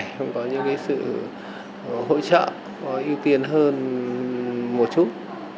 cũng có những cái sự hỗ trợ có ưu tiên hơn một chút